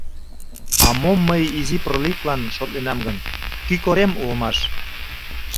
А мом мый изи проливлан шотленам гын, — кӱ корем улмаш.